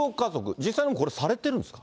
実際に、これ、されてるんですか。